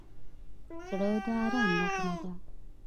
زړه د ارام نغمه ده.